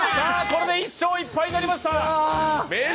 これで１勝１敗となりました。